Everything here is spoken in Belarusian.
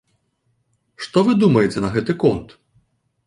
Што вы думаеце на гэты конт?